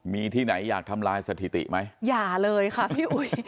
มีที่ไหนอยากทำลายสถิติไหมอย่าเลยค่ะพี่อุ๋ย